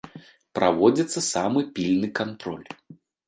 Праводзіцца самы пільны кантроль.